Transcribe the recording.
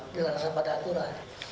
dilaksanakan pada aturan